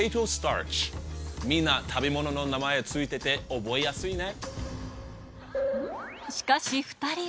みんな食べ物の名前付いてて覚えやすいね！